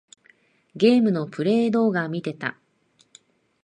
ゲームのプレイ動画みてた。